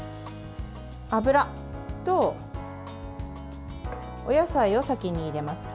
油とお野菜を先に入れます。